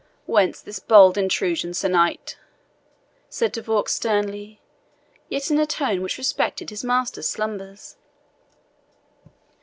"Whence this bold intrusion, Sir Knight?" said De Vaux sternly, yet in a tone which respected his master's slumbers.